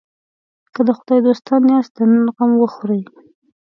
که د خدای دوستان یاست د نن غم وخورئ.